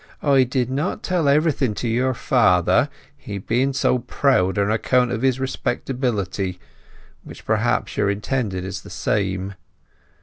J did not tell everything to your Father, he being so Proud on account of his Respectability, which, perhaps, your Intended is the same.